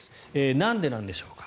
なんでなんでしょうか。